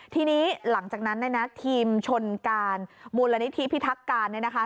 ทีนี้หลังจากนั้นเนี่ยนะทีมชนการมูลนิธิพิทักการเนี่ยนะคะ